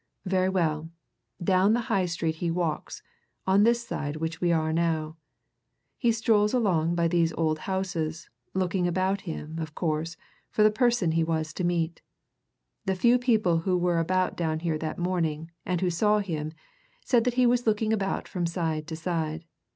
Very well down the High Street he walks, on this side which we are now he strolls along, by these old houses, looking about him, of course, for the person he was to meet. The few people who were about down here that morning, and who saw him, said that he was looking about from side to side.